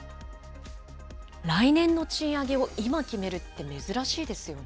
来年の賃上げを今決めるって珍しいですよね。